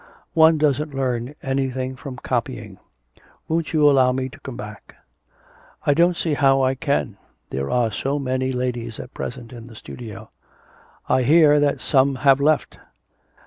'One doesn't learn anything from copying. Won't you allow me to come back?' 'I don't see how I can. There are so many ladies at present in the studio.' 'I hear that some have left?